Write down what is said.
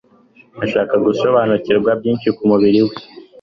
ashaka gusobanukirwa byinshi ku mubiri we.